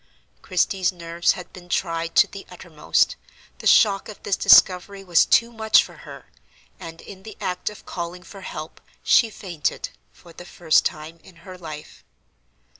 Christie's nerves had been tried to the uttermost; the shock of this discovery was too much for her, and, in the act of calling for help, she fainted, for the first time in her life.